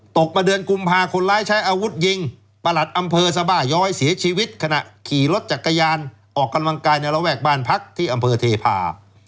ตกมาเดือนกุมภาคนร้ายใช้อาวุธยิงประหลัดอำเภอสบาย้อยเสียชีวิตขณะขี่รถจักรยานออกกำลังกายในระแวกบ้านพักที่อำเภอเทพา